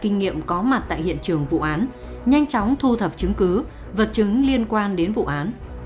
khám nghiệm có mặt tại hiện trường vụ án nhanh chóng thu thập chứng cứ vật chứng liên quan đến vụ án